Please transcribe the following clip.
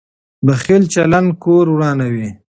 بخیل چلند کور ورانوي.